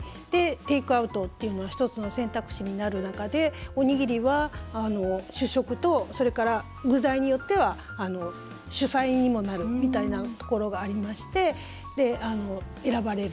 テイクアウトっていうのが１つの選択肢になる中でおにぎりは、主食とそれから具材によっては主菜にもなるみたいなところがありまして、選ばれる。